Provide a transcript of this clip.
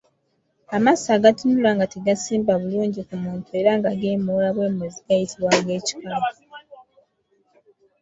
Amaaso agatunula nga tegasimba bulungi ku muntu era nga geemoola bwemoozi gayitibwa ag’ekikaba.